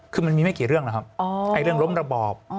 คือมันมีไม่กี่เรื่องนะครับไอ้เรื่องล้มระบอบ